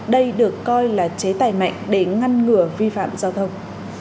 đây được coi là chế tài mạnh để ngăn ngừa vi phạm giao thông